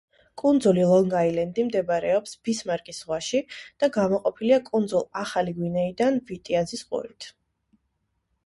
კუნძული ლონგ-აილენდი მდებარეობს ბისმარკის ზღვაში და გამოყოფილია კუნძულ ახალი გვინეიდან ვიტიაზის ყურით.